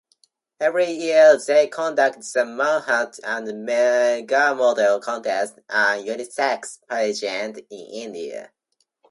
Every year they conduct the Manhunt and Megamodel Contest, a unisex pageant in India.